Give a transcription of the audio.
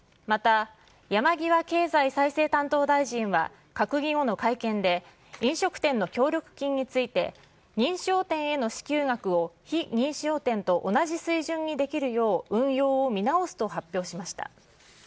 また、山際経済再生担当大臣は閣議後の会見で、飲食店の協力金について、認証店への支給額を非認証店と同じ水準にできるよう、運用を見直すと発表しました。